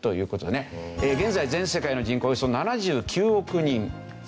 現在全世界の人口およそ７９億人。